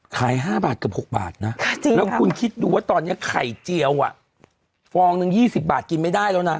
ขาย๕บาทเกือบ๖บาทนะแล้วคุณคิดดูว่าตอนนี้ไข่เจียวฟองหนึ่ง๒๐บาทกินไม่ได้แล้วนะ